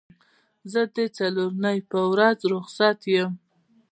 زه د څلورنۍ په ورځ روخصت یم